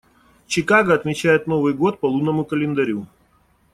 Чикаго отмечает Новый год по лунному календарю.